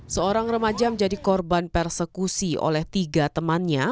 seorang remaja menjadi korban persekusi oleh tiga temannya